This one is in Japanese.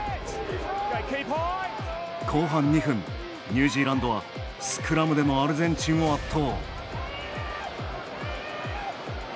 後半２分、ニュージーランドはスクラムでもアルゼンチンを圧倒。